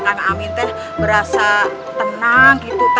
kang amin tuh berasa tenang gitu ta